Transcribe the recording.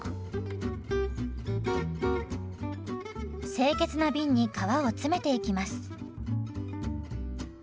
清潔な瓶に皮を詰めていきます。